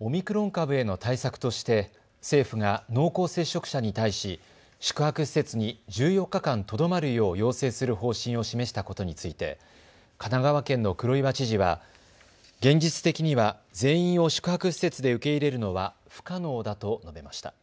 オミクロン株への対策として政府が濃厚接触者に対し宿泊施設に１４日間とどまるよう要請する方針を示したことについて神奈川県の黒岩知事は現実的には全員を宿泊施設で受け入れるのは不可能だと述べました。